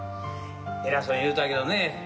偉そうに言うたけどね